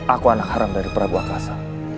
aku anak haram dari prabu akasa